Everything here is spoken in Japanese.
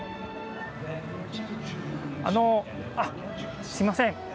あのあっすいません。